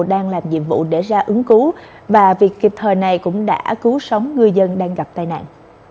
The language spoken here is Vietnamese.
đang làm nhiệm vụ để ra ứng cứu và việc kịp thời này cũng đã cứu sống ngư dân đang gặp tai nạn